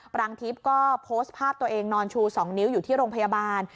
รังทิพย์ก็โพสต์ภาพตัวเองนอนชู๒นิ้วอยู่ที่โรงพยาบาล